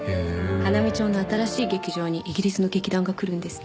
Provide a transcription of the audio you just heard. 花見町の新しい劇場にイギリスの劇団が来るんですって。